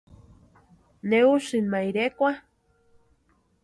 ¿Ne úsïni ma irekwa?